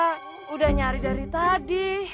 sudah nyari dari tadi